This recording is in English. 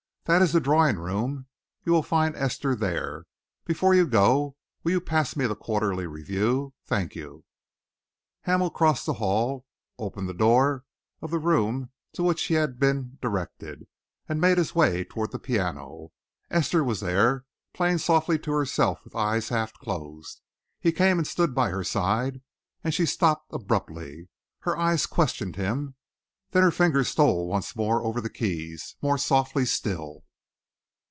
That is the drawing room. You will find Esther there. Before you go, will you pass me the Quarterly Review? Thank you." Hamel crossed the hall, opened the door of the room to which he had been directed, and made his way towards the piano. Esther was there, playing softly to herself with eyes half closed. He came and stood by her side, and she stopped abruptly. Her eyes questioned him. Then her fingers stole once more over the keys, more softly still.